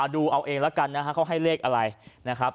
ดูเอาเองแล้วกันนะฮะเขาให้เลขอะไรนะครับ